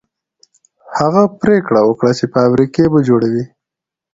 هغه پرېکړه وکړه چې فابريکې به جوړوي.